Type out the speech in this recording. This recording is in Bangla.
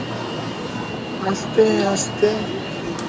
আস্তে, আস্তে।